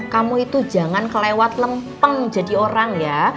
kamu itu jangan kelewat lempeng jadi orang ya